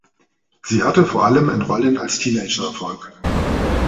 Sie hatte vor allem in Rollen als Teenager Erfolg.